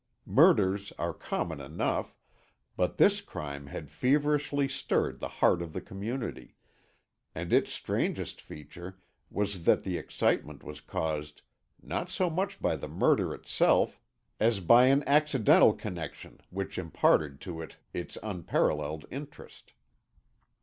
Murders are common enough, but this crime had feverishly stirred the heart of the community, and its strangest feature was that the excitement was caused, not so much by the murder itself, as by an accidental connection which imparted to it its unparalleled interest.